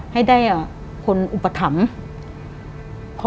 ให้ได้คนอุปถัมภ์